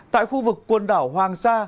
tại khu vực quần đảo hoàng sa